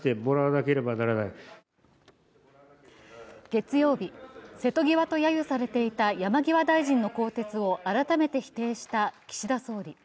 月曜日、瀬戸際とやゆされていた山際大臣の更迭を改めて否定した岸田総理。